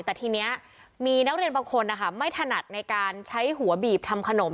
แต่ทีนี้มีนักเรียนบางคนนะคะไม่ถนัดในการใช้หัวบีบทำขนม